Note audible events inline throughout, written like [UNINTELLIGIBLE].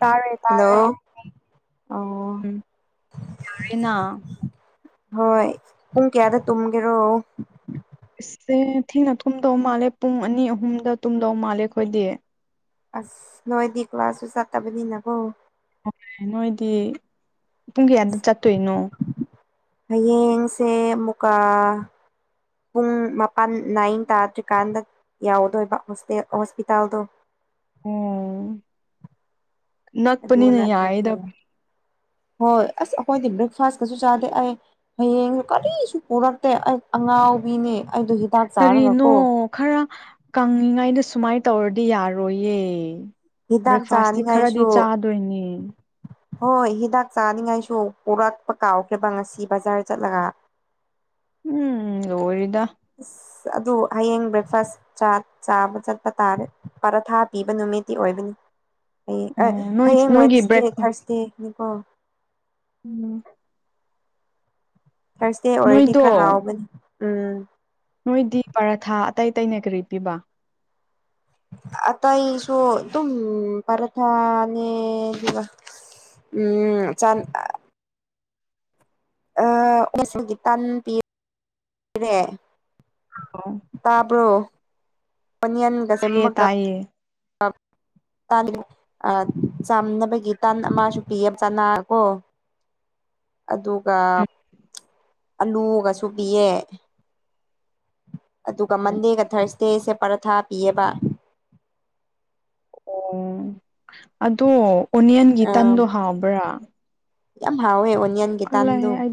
ꯇꯥꯔꯦ ꯇꯥꯔꯦ ꯍꯜꯂꯣ ꯑꯣ ꯎꯝ ꯌꯥꯥꯏꯅ ꯍꯣꯏ ꯄꯨꯡ ꯀꯌꯥꯗ ꯇꯨꯝꯒꯦꯔꯣ ꯊꯦꯡꯅ ꯊꯨꯝꯗꯧ ꯃꯥꯜꯂꯦ ꯄꯨꯡ ꯑꯅꯤ ꯑꯍꯨꯝꯗ ꯇꯨꯝꯗꯧ ꯃꯥꯜꯂꯦ ꯑꯩꯈꯣꯏꯗꯤ ꯑꯁ ꯅꯣꯏꯗꯤ ꯀ꯭ꯂꯥꯁꯁꯨ ꯆꯠꯇꯕꯅꯤꯅꯀꯣ ꯑꯣ ꯅꯣꯏꯗꯤ ꯄꯨꯡ ꯀꯌꯥꯗ ꯆꯠꯇꯣꯏꯅꯣ ꯍꯌꯦꯡꯁꯦ ꯑꯃꯨꯛꯀꯥ ꯄꯨꯡ ꯃꯥꯄꯥꯟ ꯅꯥꯏꯟ ꯇꯥꯗ꯭ꯔꯤꯀꯥꯟꯗ ꯌꯥꯎꯗꯣꯏꯕ ꯍꯣꯁꯇꯦꯜ ꯍꯣꯁꯄꯤꯇꯥꯜꯗꯣ ꯑꯣ ꯑꯗꯨ ꯅꯛꯄꯅꯤꯅ ꯅꯠꯇ꯭ꯔꯗꯤ ꯌꯥꯏꯗ ꯌꯥꯏ ꯍꯣꯏ ꯑꯁ ꯑꯩꯈꯣꯏꯗꯤ ꯕ꯭ꯔꯦꯛꯐꯥꯁꯀꯁꯨ ꯆꯥꯗꯦ ꯑꯩ ꯍꯌꯦꯡꯗꯨ ꯀꯔꯤꯁꯨ ꯄꯨꯔꯛꯇꯦ ꯑꯩ ꯑꯉꯥꯎꯕꯤꯅꯦ ꯑꯩꯗꯣ ꯍꯤꯗꯥꯛ ꯀꯔꯤꯅꯣ ꯆꯥꯔꯒꯀꯣ ꯈꯔ ꯀꯪꯉꯤꯉꯥꯏꯗ ꯁꯨꯃꯥꯏ ꯇꯧꯔꯗꯤ ꯌꯥꯔꯣꯏꯌꯦ ꯍꯤꯗꯥꯛ ꯕ꯭ꯔꯦꯛꯐꯥꯁꯇꯤ ꯈꯔꯗꯤ ꯆꯥꯅꯤꯡꯉꯥꯏꯁꯨ ꯆꯥꯗꯣꯏꯅꯦ ꯍꯣꯏ ꯍꯤꯗꯥꯛ ꯆꯥꯅꯤꯉꯥꯏꯁꯨ ꯄꯨꯔꯛꯄ ꯀꯥꯎꯈ꯭ꯔꯦꯕ ꯉꯁꯤ ꯕꯖꯥꯔ ꯆꯠꯂꯒ ꯎꯝ ꯂꯣꯏꯔꯦꯗ ꯑꯁ ꯑꯗꯨ ꯍꯌꯦꯡ ꯕ꯭ꯔꯦꯛꯐꯥꯁ ꯆꯥ ꯆꯥꯕ ꯆꯠꯄ ꯇꯥꯔꯦ ꯄꯥꯔꯊꯥ ꯄꯤꯕ ꯅꯨꯃꯤꯠꯇꯤ ꯑꯣꯏꯕꯅꯤ ꯍꯌꯦꯡ ꯑꯣ ꯑ ꯅꯣꯏ ꯍꯌꯦꯡ ꯅꯣꯏꯒꯤ ꯋꯦꯟꯁꯗꯦ ꯕ꯭ꯔꯦꯛꯐꯥꯁ ꯊꯥꯔꯁ [UNINTELLIGIBLE] ꯅꯤꯀꯣ ꯎꯝ ꯊꯥꯔꯁꯗꯦ ꯑꯣꯏꯔꯗꯤ ꯅꯣꯏꯗꯣ ꯈꯔ ꯍꯥꯎꯕꯅꯤ ꯎꯝ ꯅꯣꯏꯗꯤ ꯄꯔꯥꯊꯥ ꯑꯇꯩ ꯑꯇꯩꯅ ꯀꯔꯤ ꯄꯤꯕ ꯑꯇꯩꯁꯨ ꯑꯗꯨꯝ ꯄꯔꯊꯥꯅꯦ ꯑꯗꯨꯒ ꯎꯝ ꯆꯥꯟ ꯑ ꯑ ꯉꯁꯗꯤ ꯇꯥꯟ ꯄꯤ ꯔꯦ ꯑꯣ ꯇꯥꯕ꯭ꯔꯣ ꯑꯣꯅꯤꯌꯥꯟ ꯇꯥꯏꯌꯦ ꯇꯥꯏꯌꯦ [INAUDIBLE] ꯇꯥꯟ ꯑ ꯆꯥꯝꯅꯕꯒꯤ ꯇꯥꯟ ꯑꯃꯁꯨ ꯄꯤꯌꯦ ꯆꯅꯥꯀꯣ [INAUDIBLE] ꯑꯗꯨꯒ ꯑꯂꯨꯒꯁꯨ ꯄꯤꯌꯦ ꯑꯗꯨꯒ ꯎꯝ ꯃꯟꯗꯦꯒ ꯊꯔꯁꯗꯦꯁꯦ ꯄꯔꯊꯥ ꯄꯤꯌꯦꯕ ꯑꯣ ꯑꯗꯣ ꯑꯣꯅꯤꯌꯟꯒꯤ ꯑꯥ ꯇꯟꯗꯣ ꯍꯥꯎꯕ꯭ꯔꯥ ꯌꯥꯝ ꯍꯥꯎꯦ ꯑꯣꯅꯤꯌꯥꯟ ꯈꯨꯜꯂꯩ ꯑꯩ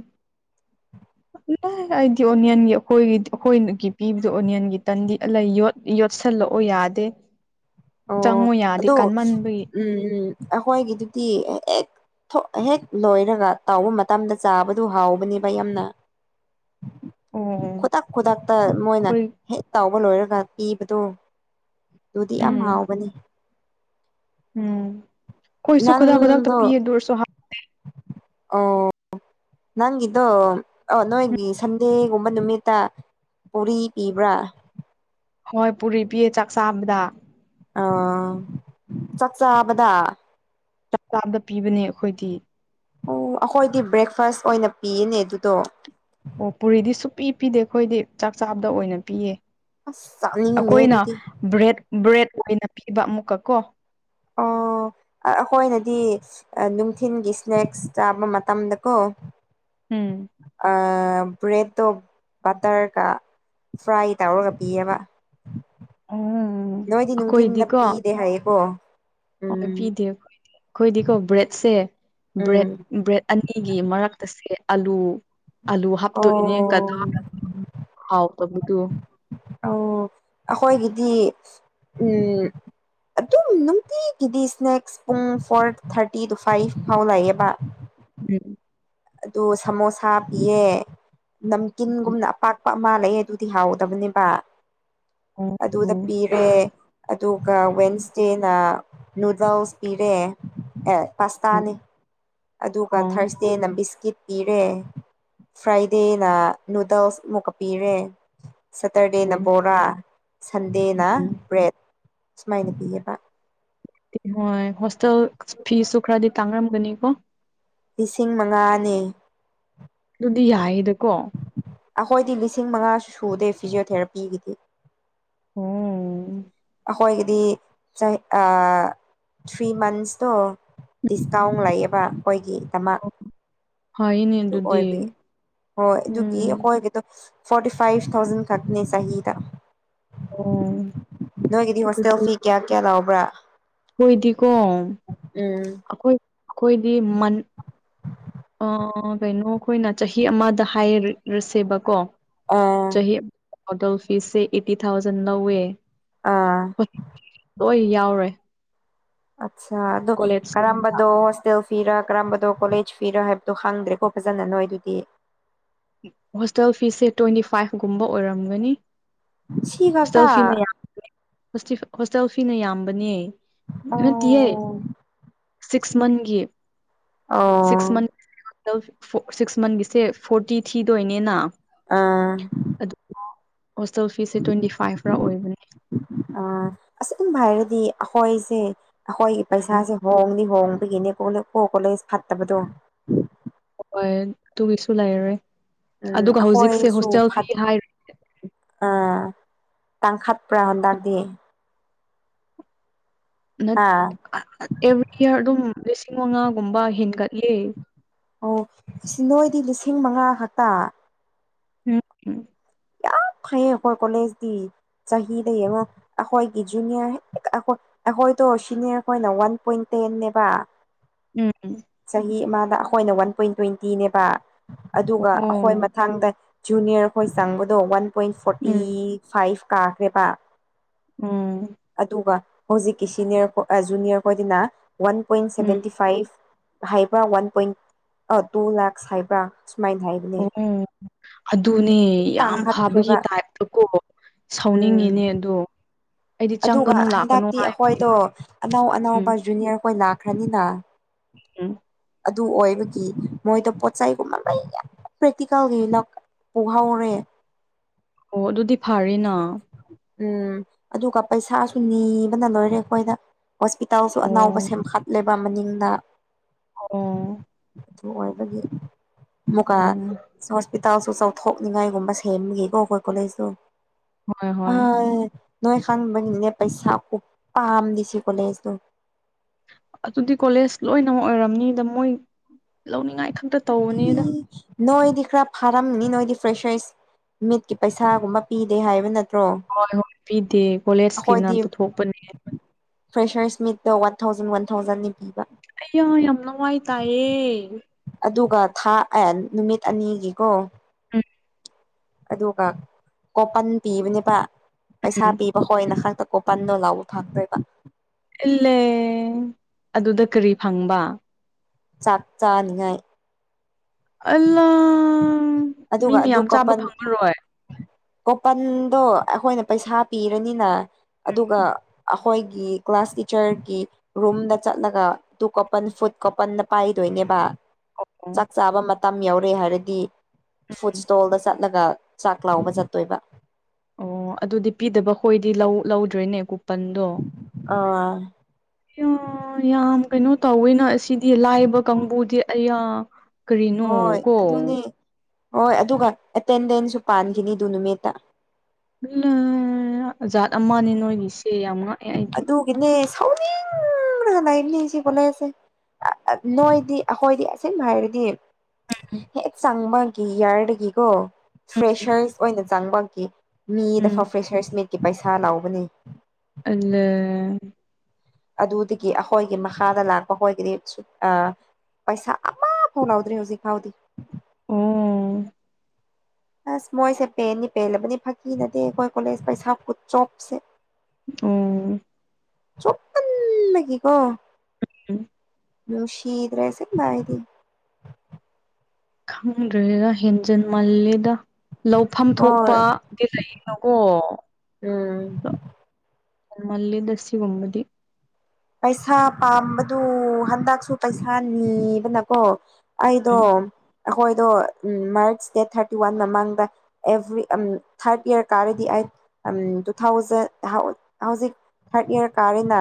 [INAUDIBLE] ꯑ ꯑꯩꯗꯤ ꯑꯣꯅꯤꯌꯟꯒꯤ ꯑꯩꯈꯣꯏꯒꯤ ꯑꯩꯈꯣꯏꯒꯤ ꯄꯤꯕꯗꯣ ꯑꯣꯅꯤꯌꯟꯒꯤ ꯇꯟꯗꯤ ꯂꯩ ꯌꯣꯠ ꯌꯣꯠꯁꯤꯜꯂꯛꯎ ꯌꯥꯗꯦ ꯆꯪꯎ ꯌꯥꯗꯦ ꯀꯥꯟꯃꯟꯕꯒꯤ ꯎꯝ ꯎꯝ ꯑꯩꯈꯣꯏꯒꯤꯗꯨꯗꯤ ꯍꯦꯛ ꯊꯣꯛ ꯍꯦꯛ ꯂꯣꯏꯔꯒ ꯇꯥꯎꯕ ꯃꯇꯝꯗ ꯆꯥꯕꯗꯨ ꯍꯥꯎꯕꯅꯦꯕ ꯌꯥꯝꯅ ꯑꯣ ꯈꯨꯗꯛ ꯈꯨꯗꯛꯇ ꯃꯣꯏꯅ ꯑꯩꯈꯣꯏ ꯍꯦꯛ ꯇꯥꯎꯕ ꯂꯣꯏꯔꯒ ꯄꯤꯕꯗꯨ ꯌꯥꯝ ꯎꯝ ꯍꯥꯎꯕꯅꯤ ꯎꯝ ꯈꯣꯏꯁꯨ ꯈꯨꯗꯥꯥꯛ ꯈꯨꯗꯛꯇ ꯄꯤꯌꯦ ꯑꯗꯨ ꯑꯣꯏꯔꯁꯨ ꯍꯥꯎ ꯑꯣ ꯅꯪꯒꯤꯗꯣ ꯑꯣ ꯅꯣꯏꯒꯤ ꯁꯟꯗꯦꯒꯨꯝꯕ ꯅꯨꯃꯤꯠꯇ ꯄꯨꯔꯤ ꯄꯤꯕ꯭ꯔꯥ ꯍꯣꯏ ꯄꯨꯔꯤ ꯄꯤꯌꯦ ꯆꯥꯛ ꯆꯥꯕꯗ ꯑ ꯆꯥꯛ ꯆꯥꯕꯗ ꯆꯛ ꯆꯥꯕꯗ ꯄꯤꯕꯅꯦ ꯑꯩꯈꯣꯏꯗꯤ ꯑꯣ ꯑꯩꯈꯣꯏꯗꯤ ꯕ꯭ꯔꯦꯛꯐꯥꯁ ꯑꯣꯏꯅ ꯄꯤꯌꯦꯅꯦ ꯑꯗꯨꯗꯣ ꯑꯣ ꯄꯨꯔꯤꯗꯤ ꯁꯨꯛꯄꯤ ꯄꯤꯗꯦ ꯑꯩꯈꯣꯏꯗꯤ ꯆꯥꯛ ꯆꯥꯕꯗ ꯑꯣꯏꯅ ꯄꯤꯌꯦ ꯑꯁ ꯆꯥꯅꯤꯡꯗꯦ ꯑꯩꯈꯣꯏꯅ ꯑꯗꯨꯗꯤ ꯕ꯭ꯔꯦꯗ ꯕ꯭ꯔꯦꯗ ꯑꯣꯏꯅ ꯄꯤꯕ ꯑꯃꯨꯛꯀ ꯀꯣ ꯑꯣ ꯑꯩꯈꯣꯏꯅꯗꯤ ꯅꯨꯡꯊꯤꯤꯟꯒꯤ ꯏꯁꯅꯦꯛꯁ ꯆꯥꯕ ꯃꯇꯝꯗꯀꯣ ꯎꯝ ꯑ ꯕ꯭ꯔꯦꯠ ꯇꯔ ꯀ ꯐ꯭ꯔꯥꯏ ꯇꯧꯔꯒ ꯄꯤꯌꯦꯕ ꯑꯣ ꯅꯣꯏꯗꯤ ꯅꯨꯡꯊꯤꯟꯗ ꯑꯩꯈꯣꯏꯗꯤꯀꯣ ꯄꯤꯗꯦ ꯍꯥꯏꯌꯦꯀꯣ ꯍꯣꯏ ꯎꯝ ꯄꯤꯗꯦꯈꯣꯏ ꯑꯩꯈꯣꯏꯗꯤꯀꯣ ꯕ꯭ꯔꯦꯗꯁꯦ ꯕ꯭ꯔ ꯎꯝ ꯕ꯭ꯔꯦꯗ ꯑꯅꯤꯒꯤ ꯃꯔꯛꯇꯁꯦ ꯑꯂꯨ ꯑꯥꯂꯨ ꯑꯣ ꯍꯥꯞꯇꯣꯏꯅꯦ ꯀꯗꯥ ꯍꯥꯎ ꯄꯕꯨ ꯇ ꯑ ꯑꯩꯈꯣꯏꯒꯤꯗꯤ ꯎꯝ ꯑꯗꯨꯝ ꯅꯨꯡꯇꯤꯒꯤꯗꯤ ꯁ꯭ꯅꯦꯛꯁ ꯄꯨꯡ ꯐꯣꯔ ꯊꯥꯔꯇꯤ ꯇꯨ ꯐꯥꯏꯚ ꯐꯥꯎ ꯂꯥꯛꯑꯦꯕ ꯎꯝ ꯑꯗꯨ ꯁꯃꯣꯁꯥ ꯄꯤꯌꯦ ꯅꯝꯀꯤꯟꯒꯨꯝꯅ ꯑꯄꯥꯛꯄ ꯑꯃꯂꯑꯦ ꯑꯗꯨꯗꯤ ꯍꯥꯎꯗꯕꯅꯦꯕ ꯑꯣ ꯑꯗꯨꯗ ꯄꯤꯔꯦ ꯑꯗꯨꯒ ꯋꯦꯟꯁꯗꯦꯅ ꯅꯨꯗꯜꯁ ꯄꯤꯔꯦ ꯑꯦ ꯄꯥꯁꯇꯥꯅꯤ ꯑꯗꯨꯒ ꯑꯣ ꯊꯥꯔꯁ ꯗꯦꯅ ꯕꯤꯁꯀꯤꯠ ꯄꯤꯔꯦ ꯐ꯭ꯔꯥꯏꯗꯦꯅ ꯅꯨꯗꯜꯁ ꯑꯃꯨꯛꯀ ꯄꯤꯔꯦ ꯁꯇꯔꯗꯦꯅ ꯑꯣ ꯕꯣꯔꯥ ꯁꯟꯗꯦꯅ ꯕ꯭ꯔꯦꯠ ꯁꯨꯃꯥꯏꯅ ꯄꯤꯌꯦꯕ ꯍꯣꯏ ꯍꯣꯁꯇꯦꯜ ꯐꯁꯨ ꯈꯔꯗꯤ ꯇꯥꯡꯅꯔꯝꯒꯅꯤꯀꯣ ꯂꯤꯁꯤꯡ ꯃꯉꯥꯅꯤ ꯑꯗꯨꯗꯤ ꯌꯥꯏꯌꯦꯗꯀꯣ ꯑꯩꯈꯣꯏꯗꯤ ꯂꯤꯁꯤꯡ ꯃꯉꯥꯁꯨ ꯁꯨꯗꯦ ꯐꯤꯖꯤꯣꯊꯦꯔꯥꯄꯤꯒꯤꯗꯤ ꯑꯣꯝ ꯑꯩꯈꯣꯏꯒꯤꯗꯤ ꯆꯍꯤ ꯊ꯭ꯔꯤ ꯃꯟꯁꯇꯣ ꯗꯤꯁꯀꯥꯎꯟ ꯂꯩꯌꯦꯕ ꯑꯩꯈꯣꯏꯒꯤꯗꯃꯛ ꯐꯩꯅꯦ ꯑꯗꯨ ꯑꯗꯨꯗꯤ ꯑꯣꯏꯕ ꯍꯣꯏ ꯑꯗꯨꯒꯤ ꯎꯝ ꯍꯈꯣꯏꯒꯤꯗꯣ ꯐꯣꯔꯇꯤ ꯐꯥꯏꯚ ꯊꯥꯎꯖꯟ ꯈꯛꯅꯦ ꯆꯍꯤꯗ ꯑꯣ ꯅꯣꯏꯒꯤꯗꯤ ꯍꯣꯁꯇꯦꯜ ꯐꯤ ꯀꯌꯥ ꯀꯌꯥ ꯂꯥꯎꯕ꯭ꯔꯥ ꯍꯈꯣꯏꯗꯤꯀꯣ ꯎꯝ ꯑꯩꯈꯣꯏ ꯑꯩꯈꯣꯏꯗꯤ ꯑ ꯀꯩꯅꯣ ꯑꯩꯈꯣꯏꯅ ꯆꯍꯤ ꯑꯃꯗ ꯍꯥꯏꯔꯁꯦꯕꯀꯣ ꯑꯥ ꯆꯍꯤ ꯍꯣꯗꯦꯜ ꯐꯤꯁꯦ ꯑꯩꯠꯇꯤ ꯊꯥꯎꯖꯟ ꯅꯧꯋꯦ ꯑꯥ ꯍꯣꯏ ꯌꯥꯎꯔꯦ ꯑꯆꯥ ꯑꯗꯨ ꯀꯣꯂꯦꯖ ꯀꯔꯝꯕꯗꯨꯣ ꯍꯣꯁꯇꯦꯜ ꯐꯤꯔꯥ ꯀꯔꯝꯕꯗꯣ ꯀꯣꯂꯦꯖ ꯐꯤꯔꯥ ꯍꯥꯏꯕꯗꯣ ꯍꯪꯗ꯭ꯔꯦꯀꯣ ꯐꯖꯅ ꯅꯣꯏ ꯑꯗꯨꯗꯤ ꯍꯣꯁꯇꯦꯜ ꯐꯤꯁꯦ ꯇ꯭ꯋꯦꯟꯇꯤ ꯐꯥꯏꯚꯒꯨꯝꯕ ꯑꯣꯏꯔꯝꯒꯅꯤ ꯁꯤ ꯈꯛꯇ ꯍꯣꯁꯇꯦꯜ ꯐꯤꯅ ꯌꯥꯝ ꯍꯣꯁꯇꯦꯜ ꯐꯤꯅ ꯌꯥꯝꯕꯅꯦ ꯑꯗꯨꯠꯇꯤꯌꯦ ꯑꯣ ꯁꯤꯛꯁ ꯃꯟꯒꯤ ꯑꯣ ꯁꯤꯛꯁ ꯃꯟ ꯁꯤꯛꯁ ꯃꯟꯒꯤꯁꯦ ꯐꯣꯔꯇꯤ ꯊꯤꯗꯣꯏꯅꯦꯅ ꯑꯥ ꯑꯗꯨꯒ ꯍꯣꯁꯇꯦꯜ ꯐꯤꯁꯦ ꯇ꯭ꯋꯦꯟꯇꯤ ꯐꯥꯏꯚ ꯔꯥ ꯑꯣꯏꯕꯅꯦ ꯑ ꯑꯁꯨꯝ ꯍꯥꯏꯔꯗꯤ ꯑꯩꯈꯣꯏꯁꯦ ꯑꯩꯈꯣꯏꯒꯤ ꯄꯩꯁꯥꯁꯦ ꯍꯣꯡꯅꯤ ꯍꯣꯡꯕꯒꯤꯅꯦ ꯀꯣ ꯀꯣꯂꯦꯖ ꯐꯠꯇꯕꯗꯣ ꯍꯣꯏ ꯑꯗꯨꯒꯤꯁꯨ ꯂꯩꯔꯔꯦ ꯎꯝ ꯑꯗꯨꯒ ꯍꯧꯖꯤꯛꯁꯦ ꯑꯩꯈꯣꯏꯁꯨ ꯍꯣꯁꯇꯦꯜ ꯐꯤ ꯍꯥꯏ ꯑ ꯇꯪꯈꯠ ꯄꯨ꯭ꯔꯔꯍꯟꯗꯔ ꯗꯌꯦ ꯑꯥ ꯑꯦꯚ꯭ꯔꯤ ꯏꯌꯥꯔ ꯑꯗꯨꯝ ꯂꯤꯁꯤꯡ ꯃꯉꯥꯒꯨꯝꯕ ꯍꯦꯟꯒꯠꯂꯦ ꯑꯣ ꯅꯣꯏꯗꯤ ꯂꯤꯁꯤꯡ ꯃꯉꯥ ꯈꯛꯇ ꯎꯝꯝ ꯐꯩꯌꯦ ꯑꯩꯈꯣꯏ ꯀꯣꯂꯦꯖꯇꯤ ꯆꯍꯤꯗ ꯑꯃ ꯑꯩꯈꯣꯏꯒꯤ ꯖꯨꯅꯤꯌꯔ ꯑꯩꯈꯣꯏꯗꯣ ꯁꯤꯅꯤꯌꯔ ꯑꯩꯈꯣꯏꯅ ꯋꯥꯟ ꯄꯣꯏꯟ ꯇꯦꯟꯅꯦꯕ ꯎꯝ ꯆꯍꯤ ꯑꯃꯗ ꯑꯩꯈꯣꯏꯅ ꯋꯥꯟ ꯄꯣꯏꯟ ꯇ꯭ꯋꯦꯟꯇꯤꯅꯦꯕ ꯑꯗꯨꯒ ꯑꯣ ꯑꯩꯈꯣꯏ ꯃꯊꯥꯡꯗ ꯖꯨꯅꯤꯌꯔꯈꯣꯏ ꯆꯪꯕꯗꯣ ꯋꯥꯟ ꯄꯣꯏꯟ ꯐꯣꯔꯇꯤ ꯎꯝ ꯐꯥꯏꯚ ꯀꯥꯈ꯭ꯔꯦꯕ ꯎꯝ ꯑꯗꯨꯒ ꯍꯧꯖꯤꯛꯀꯤ ꯁꯤꯅꯤꯌꯔ ꯖꯨꯅꯤꯌꯔ ꯈꯣꯏꯗꯤꯅ ꯋꯥꯟ ꯄꯣꯏꯟ ꯎꯝ ꯁꯕꯦꯟꯇꯤ ꯐꯥꯏꯚ ꯍꯥꯏꯕ꯭ꯔꯥ ꯋꯥꯟ ꯄꯣꯏꯟ ꯑ ꯇꯨ ꯂꯥꯛꯁ ꯍꯥꯏꯕ꯭ꯔꯥ ꯁꯨꯃꯥꯏꯅ ꯍꯥꯏꯕ꯭ꯔꯥ ꯑꯣ ꯎꯝ ꯑꯗꯨꯅꯦ ꯌꯥꯝ ꯐꯕꯒꯤ ꯇꯥꯡꯈꯠꯈ꯭ꯔꯦꯕ ꯇꯥꯏꯞꯇꯀꯣ ꯎꯝ ꯁꯥꯎꯅꯤꯡꯉꯤꯅꯦ ꯑꯗꯣ ꯑꯩꯗꯤ ꯑꯗꯨꯒ ꯆꯪꯒꯅꯨ ꯂꯥꯛꯀꯅꯨ ꯍꯟꯗꯛꯇꯤ ꯍꯥꯏꯕꯅꯦ ꯑꯩꯈꯣꯏꯗꯣ ꯑꯅꯧ ꯎꯝ ꯑꯅꯧꯕ ꯖꯨꯅꯤꯌꯔꯈꯣꯏ ꯂꯥꯛꯈ꯭ꯔꯅꯤꯅ ꯎꯝ ꯑꯗꯨ ꯑꯣꯏꯕꯒꯤ ꯃꯣꯏꯗ ꯄꯣꯠ ꯆꯩꯒꯨꯝꯕ ꯃꯌꯥꯝ ꯄ꯭ꯔꯦꯛꯇꯤꯀꯦꯜꯒꯤ ꯄꯨꯍꯧꯔꯦ ꯑꯣ ꯑꯗꯨꯗꯤ ꯐꯔꯦꯅ ꯎꯝ ꯑꯗꯨꯒ ꯄꯩꯁꯥꯁꯨ ꯅꯤꯕꯅ ꯂꯣꯏꯔꯦ ꯑꯩꯈꯣꯏꯗ ꯍꯣꯁꯄꯤꯇꯥꯜꯁꯨ ꯑꯅꯥꯎꯕ ꯑꯣ ꯁꯦꯝꯒꯠꯂꯦꯕ ꯃꯅꯤꯡꯗ ꯑꯣ ꯑꯗꯨ ꯑꯣꯏꯕꯒꯤ ꯃꯨꯛꯀ ꯎꯝ ꯍꯣꯁꯄꯤꯇꯥꯜꯁꯨ ꯆꯥꯎꯊꯣꯛꯅꯤꯡꯉꯥꯏꯒꯨꯝꯕ ꯁꯦꯝꯕꯒꯤꯀꯣ ꯑꯩꯈꯣꯏ ꯀꯣꯂꯦꯖꯁꯨ ꯍꯣꯏ ꯑ ꯍꯣꯏ ꯅꯣꯏ ꯈꯥꯟꯕꯅꯤꯅꯦ ꯄꯩꯁꯥ ꯀꯨ ꯄꯝꯂꯤꯁ‌ꯦ ꯀ‌ꯣꯂ‌ꯦꯖꯇ‌ꯣ ꯑꯗꯨꯗꯤ ꯀꯣꯂꯦꯖ ꯂꯣꯏꯅꯃꯛ ꯑꯣꯏꯔꯝꯅꯤꯗ ꯃꯣꯏ ꯂꯧꯅꯤꯡꯉꯥꯏ ꯈꯛꯇ ꯇꯧꯕꯅꯤꯗ [UNINTELLIGIBLE] ꯅꯣꯏꯗꯤ ꯈꯔ ꯐꯥꯔꯝꯃꯤꯅꯤ ꯅꯣꯏꯗꯤ ꯐ꯭ꯔꯦꯁꯦꯁ ꯃꯤꯠꯀꯤ ꯄꯩꯁꯥꯒꯨꯝꯕ ꯄꯤꯗꯦ ꯍꯥꯏꯕ ꯅꯠꯇ꯭ꯔꯣ ꯍꯣꯏ ꯍꯣꯏ ꯄꯤꯗꯦ ꯀꯣꯂꯦꯖꯀꯤꯅ ꯑꯩꯈꯣꯏꯗꯤ ꯄꯨꯊꯣꯛꯄꯅꯤ ꯐ꯭ꯔꯦꯁꯔꯁ ꯃꯤꯠꯇ ꯋꯥꯟ ꯊꯥꯎꯖꯟ ꯋꯥꯟ ꯊꯥꯎꯖꯟꯅꯤ ꯄꯤꯕ ꯑꯩꯌꯥ ꯌꯥꯝ ꯂꯋꯥꯏ ꯇꯥꯏꯌꯦ ꯑꯗꯨꯒ ꯊꯥ ꯑꯦ ꯅꯨꯃꯤꯠ ꯑꯅꯤꯒꯤꯀꯣ ꯎꯝ ꯑꯗꯨꯒ ꯀꯣꯄꯟ ꯄꯤꯕꯅꯦꯕ ꯄꯩꯁꯥ ꯎꯝ ꯄꯤꯕ ꯑꯈ‌ꯣꯏꯅ ꯈꯛꯇ ꯀꯣꯄꯟꯗꯣ ꯂꯥꯎꯕ ꯐꯪꯗꯣꯏꯕ ꯏꯜꯂꯦ ꯑꯗꯨꯗ ꯀꯔꯤ ꯐꯪꯕ ꯆꯥꯛ ꯆꯥꯅꯤꯉꯥꯏ ꯑꯜꯂꯥ ꯃꯤ ꯑꯗꯨꯒ ꯑꯗꯨ ꯃꯌꯥꯝ ꯆꯥꯕ ꯀꯣꯄꯟ ꯐꯪꯉꯔꯣꯏ ꯀꯣꯄꯟꯗꯣ ꯑꯩꯈꯣꯏꯅ ꯄꯩꯁꯥ ꯄꯤꯔꯅꯤꯅ ꯑꯗꯨꯒ ꯑꯩꯈꯣꯏꯒꯤ ꯀ꯭ꯂꯥꯁ ꯇꯤꯆꯔꯒꯤ ꯔꯨꯝꯗ ꯆꯠꯂꯒ ꯇꯨ ꯀꯣꯄꯟ ꯐꯨꯠ ꯀꯣꯄꯟꯗ‌ꯣ ꯄꯥꯏꯗꯣꯏꯅꯦꯕ ꯑꯣ ꯑꯣ ꯆꯥꯛ ꯆꯥꯕ ꯃꯇꯝ ꯌꯧꯔꯦ ꯍꯥꯏꯔꯗꯤ ꯐꯨꯗ ꯎꯝ ꯏꯁꯇꯣꯜꯗ ꯆꯠꯂꯒ ꯆꯥꯛ ꯂꯥꯎꯕ ꯎꯝ ꯆꯠꯇꯣꯏꯕ ꯑꯣ ꯑꯗꯨꯗꯤ ꯄꯤꯗꯕ ꯈꯣꯏꯗꯤ ꯂꯧ ꯂꯧꯗ꯭ꯔꯦꯅꯦ ꯀꯨꯄꯟꯗꯣ ꯑ ꯑ ꯌꯥꯝ ꯀꯩꯅꯣ ꯇꯧꯋꯦꯅ ꯑꯁꯤꯗꯤ ꯂꯥꯏꯕ ꯀꯥꯡꯕꯨꯗꯤ ꯑꯌꯥ ꯀꯔꯤꯅ‌ꯣ ꯍꯣꯏ ꯀꯣ ꯑꯗꯨꯅꯦ ꯍꯣꯏ ꯑꯗꯨꯒ ꯑꯦꯇꯦꯟꯗꯦꯟꯁꯁꯨ ꯄꯥꯟꯈꯤꯅꯤ ꯗꯨ ꯅꯨꯃꯤꯠꯇ ꯖꯥꯠ ꯑꯃꯅꯦ ꯅꯣꯏꯒꯤꯁꯦ ꯌꯥꯝ ꯉꯥꯛꯑꯦ ꯑꯩꯗꯤ ꯒꯤꯅꯦ ꯁꯥꯎꯅꯤꯡꯕꯅ ꯀꯅꯥꯏ ꯃꯤꯁꯤ ꯀꯣꯂ‌ꯦꯖꯁꯦ ꯅꯣꯏꯗꯤ ꯑꯩꯈꯣꯏꯗꯤ ꯑꯁꯤꯟꯕ ꯍꯥꯏꯔꯗꯤ ꯍꯦꯛ ꯆꯪꯕꯒꯤ ꯏꯌꯥꯔꯗꯒꯤꯀꯣ ꯐ꯭ꯔꯦꯁꯔꯁ ꯑꯣꯏꯅ ꯆꯪꯕꯒꯤ ꯃꯤꯗ ꯎꯝ ꯐꯥꯎ ꯐ꯭ꯔꯦꯁꯔꯁ ꯃꯤꯠꯀꯤ ꯄꯩꯁꯥ ꯂꯥꯎꯕꯅꯤ ꯑꯂ‌ꯦ ꯑꯗꯨꯗꯒꯤ ꯑꯩꯈꯣꯏꯒꯤ ꯃꯈꯥꯗ ꯂꯥꯛꯄ ꯑꯩꯈꯣꯏꯒꯤꯗꯤ ꯑ ꯄꯩꯁꯥ ꯑꯃꯐꯥꯎ ꯂꯧꯗ꯭ꯔꯦ ꯍꯧꯖꯤꯛ ꯐꯥꯎꯗꯤ ꯑꯣꯝ ꯑꯁ ꯃꯣꯏꯁꯦ ꯄꯦꯟꯅꯤ ꯄꯦꯜꯂꯕꯅꯤ ꯐꯥꯒꯤ ꯅꯠꯇ‌ꯦ ꯑꯩꯈꯣꯏ ꯀꯣꯂꯦꯖ ꯄꯩꯁꯥ ꯈꯨꯠ ꯆꯣꯞꯁꯦ ꯑꯣ ꯆꯣꯞꯃꯟ ꯕꯒꯤꯀꯣ ꯎꯝ ꯅꯨꯡꯁꯤꯗ꯭ꯔꯦ ꯁꯤ ꯃꯥꯥꯏꯗꯤ ꯈꯪꯗ꯭ꯔꯦꯗ ꯍꯦꯟꯖꯟ ꯃꯥꯜꯂꯦꯗ ꯂꯧ ꯐꯝ ꯍꯣꯏ ꯊꯣꯛꯄꯗꯤ ꯂꯩꯅꯣꯀꯣ ꯎꯝ ꯑ ꯍꯦꯟꯃꯜꯂꯤꯗꯁꯤꯒꯃꯗꯤ ꯄꯩꯁꯥ ꯄꯥꯝꯕꯗꯨ ꯍꯟꯗꯛꯁꯨ ꯄꯩꯁꯥ ꯅꯤꯕꯅꯀꯣ ꯑꯩꯗꯣ ꯎꯝ ꯑꯩꯈꯣꯏꯗꯣ ꯃꯥꯔꯆ ꯗꯦꯠ ꯊꯥꯔꯇꯤ ꯋꯥꯟ ꯃꯃꯥꯡꯗ ꯑꯦꯚ꯭ꯔꯤ ꯊꯥꯔꯠ ꯏꯌꯥꯔ ꯀꯥꯔꯗꯤ ꯑꯩꯠ ꯇꯨ ꯊꯥꯎꯖꯟ ꯍꯧꯖꯤꯛ ꯊꯥꯔꯗ ꯏꯌꯔ ꯀꯥꯔꯦꯅ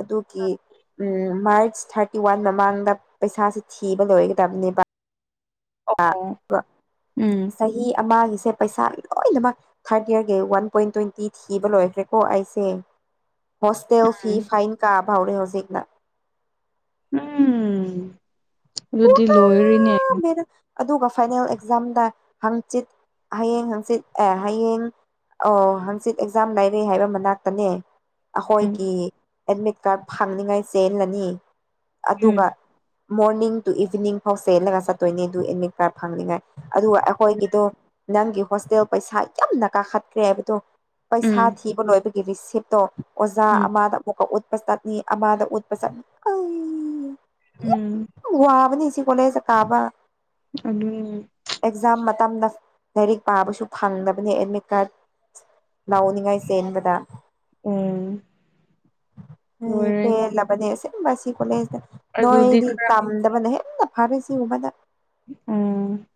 ꯑꯗꯨꯒꯤ ꯎ ꯃꯥꯔꯆ ꯊꯥꯔꯇꯤ ꯋꯥꯟ ꯃꯃꯥꯡꯗ ꯄꯩꯁꯥꯥꯁꯦ ꯊꯤꯕ ꯂꯣꯏꯒꯗꯕꯅꯦꯕ ꯑꯣ ꯑꯣ ꯎꯝ ꯆꯍꯤ ꯑꯃꯒꯤꯁꯦ ꯄꯩꯁꯥ ꯂꯣꯏꯅꯃꯛ ꯊꯥꯔꯠ ꯏꯔꯒꯤ ꯋꯥꯟ ꯄꯣꯏꯟ ꯇ꯭ꯋꯦꯟꯇꯤ ꯊꯤꯕ ꯂꯣꯏꯈ꯭ꯔꯦꯀꯣ ꯑꯩꯁꯦ ꯍꯣꯁꯇꯦꯜ ꯐꯤ ꯎꯝ ꯐꯥꯏꯟ ꯀꯥꯕꯍꯧꯔꯦ ꯍꯧꯖꯤꯛꯅ ꯎꯝ ꯑꯗꯨꯗꯤ ꯄꯨꯔꯥ ꯂꯣꯏꯔꯤꯅꯦ ꯑꯗꯨꯒ ꯐꯥꯏꯅꯦꯜ ꯑꯦꯛꯖꯥꯝꯗ ꯍꯪꯆꯤꯠ ꯍꯌꯦꯡ ꯍꯪꯆꯤꯠ ꯑꯦ ꯍꯌꯦꯡ ꯑꯣ ꯍꯪꯆꯤꯠ ꯑꯦꯛꯖꯥꯝ ꯂꯩꯔꯦ ꯍꯥꯏꯕ ꯃꯅꯥꯛꯇꯅꯦ ꯎꯝ ꯑꯩꯈꯣꯏꯒꯤ ꯑꯦꯗꯃꯤꯠ ꯀꯥꯔꯗ ꯐꯪꯅꯤꯉꯥꯏ ꯆꯦꯜꯂꯅꯤ ꯎꯝ ꯑꯗꯨꯒ ꯃꯣꯔꯅꯤꯡ ꯑꯗꯨ ꯏꯚꯤꯅꯤꯡ ꯐꯥꯎ ꯆꯦꯜꯂꯒ ꯆꯠꯇꯣꯏꯅꯦ ꯑꯗꯨ ꯑꯦꯗꯃꯤꯠ ꯀꯥꯔ ꯐꯪꯅꯤꯉꯥꯏ ꯑꯗꯨꯒ ꯑꯩꯈꯣꯏꯒꯤꯗꯣ ꯅꯪꯒꯤ ꯍꯣꯁꯇꯦꯜ ꯄꯩꯁꯥ ꯌꯥꯝꯅ ꯀꯥꯈꯠꯈ꯭ꯔꯦ ꯍꯥꯏꯕꯗꯣ ꯄꯩꯁꯥ ꯎꯝ ꯊꯤꯕ ꯂꯣꯏꯕꯒꯤ ꯔꯤꯁꯤꯞꯇꯣ ꯑꯣꯖꯥ ꯎꯝ ꯑꯃꯗ ꯑꯃꯨꯛꯀ ꯎꯠꯄ ꯆꯠꯅꯤ ꯑꯃꯗ ꯎꯠꯄ ꯆꯠꯅꯤ ꯑꯝ ꯎꯝ ꯋꯥ ꯑꯕꯅꯤ ꯁꯤꯁꯤ ꯀꯂ ꯆ ꯀꯥꯕ ꯑꯗꯨ ꯑꯦꯛꯖꯥꯝ ꯃꯇꯝꯗ ꯂꯥꯏꯔꯤꯛ ꯄꯥꯕꯁꯨ ꯐꯪꯗꯕꯅꯤ ꯑꯦꯗꯃꯤꯠ ꯀꯥꯔꯠ ꯂꯅꯤꯡꯉꯥꯏ ꯆꯦꯟꯕꯗ ꯎꯝ ꯄꯦ ꯂꯣꯏꯔꯦꯗ ꯂꯕꯗꯁꯦꯁꯤ ꯀꯣꯂꯖ ꯗ ꯑꯗꯨꯗꯤ ꯅꯣꯏꯗꯤ ꯈꯔ ꯇꯝꯗꯕꯅ ꯍꯦꯟꯅ ꯐꯥꯔ ꯁꯤꯒꯨꯝꯕꯗ ꯎꯝ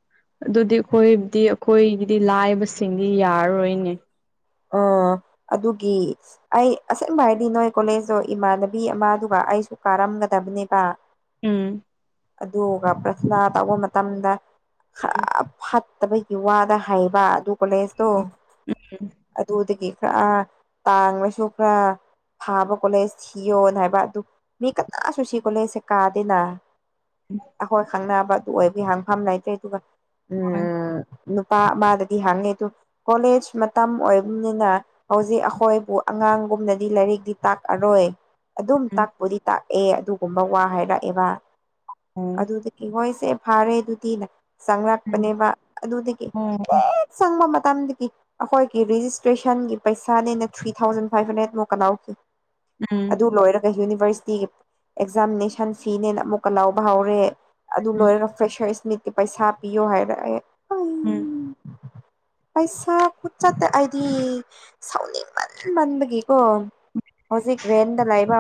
ꯑꯗꯨꯗꯤ ꯑꯩꯈꯣꯏꯗꯤ ꯑꯩꯈꯣꯏꯒꯤꯗꯤ ꯂꯥꯏꯕꯁꯤꯡꯗꯤ ꯌꯥꯔꯔꯣꯏꯅꯦ ꯑ ꯑꯗꯨꯒꯤ ꯑꯩ ꯑꯁꯦꯡꯕ ꯍꯥꯏꯗꯤ ꯅꯣꯏ ꯀꯣꯂꯦꯖꯇꯣ ꯏꯃꯥꯟꯅꯕꯤ ꯑꯃ ꯑꯗꯨꯒ ꯑꯩꯁꯨ ꯀꯥꯔꯝꯒꯗꯕꯅꯦꯕ ꯎꯝ ꯑꯗꯨꯒ ꯄ꯭ꯔꯊꯅꯥ ꯇꯧꯕ ꯃꯇꯝꯗ ꯈꯔ ꯐ ꯐꯠꯇꯕ ꯌꯨ ꯋꯥꯗ ꯍꯩꯕ ꯑꯗꯨ ꯀꯣꯂꯦꯖꯇꯣ ꯎꯝ ꯑꯗꯨꯗꯒꯤ ꯈꯔ ꯇꯥꯡꯂꯁꯨ ꯈꯔ ꯐꯥꯕ ꯈꯣꯠꯂꯦ ꯁꯤꯌꯣꯅ ꯍꯥꯏꯕ ꯑꯗꯨ ꯃꯤ ꯀꯅꯥꯁꯨ ꯁꯤ ꯈꯣꯠꯂꯦꯁꯦ ꯀꯥꯗꯦꯅ ꯑꯩꯈꯣꯏ ꯈꯪꯅꯕ ꯑꯗꯨ ꯑꯣꯏꯕꯒꯤ ꯍꯥꯡꯐꯝ ꯂꯩꯇ꯭ꯔꯦ ꯑꯗꯨꯒ ꯍꯣꯏ ꯎꯝ ꯅꯨꯄꯥ ꯑꯃꯗꯗꯤ ꯍꯪꯉꯦ ꯑꯗꯨ ꯀꯣꯂꯦꯖ ꯃꯇꯝ ꯑꯣꯏꯕꯅꯤꯅ ꯍꯧꯖꯤꯛ ꯑꯩꯈꯣꯏꯕꯨ ꯑꯉꯥꯡꯒꯨꯝꯅꯗꯤ ꯂꯥꯏꯔꯤꯛꯇꯤ ꯇꯥꯛꯑꯔꯣꯏ ꯑꯗꯨꯝ ꯎꯝ ꯇꯛꯄꯨꯗꯤ ꯇꯥꯛꯑꯦ ꯑꯗꯨꯒꯨꯝꯕ ꯋꯥ ꯍꯥꯏꯔꯛꯑꯦꯕ ꯎꯝ ꯑꯗꯨ ꯏꯍꯣꯏꯁꯦ ꯐꯥꯔꯦ ꯑꯗꯨꯗꯤꯅ ꯎꯝ ꯆꯪꯪꯂꯔꯛꯄꯅꯦꯕ ꯑꯗꯨꯗꯒꯤ ꯑꯣ ꯁꯪꯃꯝꯕ ꯇꯝꯗꯤ ꯑꯩꯈꯣꯏꯒꯤꯔꯦꯖꯤꯁꯇ꯭ꯔꯦꯁꯟꯒꯤ ꯄꯩꯁꯥꯅꯦꯅ ꯊ꯭ꯔꯤ ꯊꯥꯎꯖꯟ ꯐꯥꯏꯚ ꯍꯟꯗ꯭ꯔꯦꯠꯃꯨꯛꯀ ꯂꯥꯎꯈꯤ ꯎꯝ ꯗꯨ ꯂꯣꯏꯔꯒ ꯌꯨꯅꯤꯚꯔꯁꯤꯇꯤꯒꯤ ꯑꯦꯛꯖꯥꯃꯤꯅꯦꯁꯟ ꯐꯤꯅꯦꯅ ꯑꯃꯨꯛꯀ ꯂꯧꯕ ꯍꯧꯔꯦ ꯑꯗꯨ ꯎꯝ ꯂꯣꯏꯔꯒ ꯐ꯭ꯔꯦꯁꯔ ꯃꯤꯠꯀꯤ ꯄꯩꯁꯥ ꯄꯤꯌꯣ ꯍꯥꯏꯔꯛꯑꯦ ꯎꯝ ꯄꯩꯁ ꯈꯨꯠꯆꯠꯇ ꯑꯩꯗꯤ ꯁꯥꯎꯅꯤꯡꯃꯟ ꯃꯟꯕꯒꯤꯀꯣ ꯍꯧꯖꯤꯛ ꯔꯦꯟꯗ ꯂꯩꯕ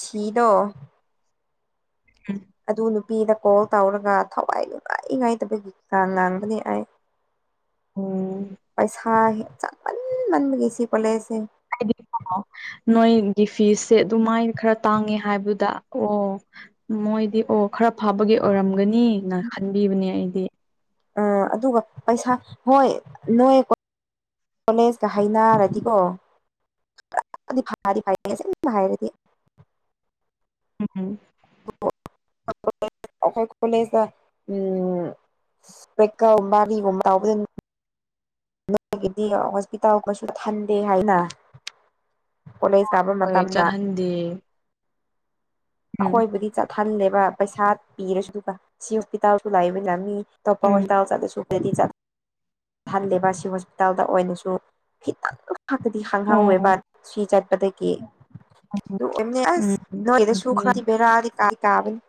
ꯁꯤꯗꯣ [INAUDIBLE] ꯑꯗꯨ ꯅꯨꯄꯤꯗ ꯀꯣꯜ ꯇꯧꯔꯒ ꯊꯋꯥꯏ ꯅꯨꯡꯉꯥꯏ ꯉꯥꯏꯇꯕꯒꯤ ꯆꯥꯡ ꯂꯥꯡꯕꯅꯤ ꯑꯩ ꯑꯣ ꯄꯩꯁꯥ ꯆꯥꯃꯟꯃꯟꯕꯒꯤ ꯁꯤ ꯀ‌ꯣꯂꯦꯁ‌ꯦ [INAUDIBLE] ꯅꯣꯏꯒꯤ ꯐꯤꯁꯦ ꯑꯗꯨꯃꯥꯏꯅ ꯈꯔ ꯇꯥꯡꯉꯦ ꯍꯥꯏꯕꯗ ꯑꯣ ꯃꯣꯏꯗꯤ ꯑꯣ ꯈꯔ ꯐꯥꯕꯒꯤ ꯑꯣꯏꯔꯝꯒꯅꯤꯅ ꯈꯟꯕꯤꯕꯅꯦ ꯑꯩꯗꯤ ꯫ ꯑꯥ ꯑꯗꯨꯒ ꯄꯩꯁꯥ ꯍꯣꯏ ꯅꯣꯏ ꯀꯣ ꯀꯣꯂꯦꯖꯀ ꯍ‌ꯏꯅꯥꯔꯗꯤꯀꯣ ꯄꯨꯥꯗꯤ ꯐꯗꯤ ꯐꯩ [UNINTELLIGIBLE] ꯍꯥꯏꯔꯗꯤ ꯎꯝ [INAUDIBLE] ꯑꯩꯈꯣꯏ ꯀꯣꯂꯦꯖꯇ ꯎꯝ ꯄ꯭ꯔꯥꯛꯇꯤꯀ‌ꯦꯜ ꯃꯔꯤꯒꯨꯝꯕ ꯇꯧꯕꯗ ꯅꯒꯤꯗꯤ ꯍꯣꯁꯄꯤꯇꯥꯜꯒꯥꯁꯨ ꯊꯟꯗꯦ ꯍꯥꯏꯅ ꯀꯣꯂꯦꯖ ꯀꯥꯕ ꯍꯣꯏ ꯃꯇꯝꯗ ꯆꯥꯍꯟꯗꯦ ꯎꯝ ꯑꯈꯣꯏꯕꯨꯗꯤ ꯆꯍꯜꯂꯦꯕ ꯄꯩꯁꯥ ꯄꯤꯔꯁꯨ ꯑꯗꯨꯒ ꯁꯤ ꯍꯣꯁꯄꯤꯇꯥꯜꯁꯨ ꯂꯩꯕꯗ ꯃꯤ ꯑꯇꯣꯞꯄ ꯎꯝ ꯍꯣꯁꯄꯤꯇꯥꯜ ꯆꯠꯂꯁꯨ ꯗꯤꯂꯤ ꯆꯠ ꯊꯜꯂꯦꯕ ꯁꯤ ꯍꯣꯁꯄꯤꯇꯥꯜꯗ ꯑꯣꯏꯅꯁꯨ ꯈꯤꯇꯪ ꯈꯛꯇꯗꯤ ꯈꯪꯍꯧꯋꯦꯕ ꯑꯣ ꯁꯤ ꯆꯠꯄꯗ ꯒꯤ ꯑꯗꯨ ꯑꯣꯏꯕꯅ‌ꯦ ꯑꯁ ꯎꯝ ꯅ‌ꯣꯏꯗꯁꯨ ꯑꯗꯨꯅꯦ ꯈꯔꯥ ꯕ‌ꯦꯔ ꯇꯗꯤ ꯇꯕꯅ‌ꯦ